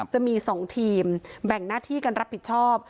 จะมี๒ทีมแบ่งหน้าที่กันรับผิดชอบ